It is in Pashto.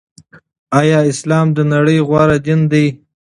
آيا اسلام دنړۍ غوره دين دې